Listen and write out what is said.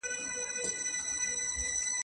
هیواد پرمختګ ممکن وګرځاوه.